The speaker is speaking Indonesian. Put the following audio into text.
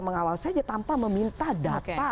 mengawal saja tanpa meminta data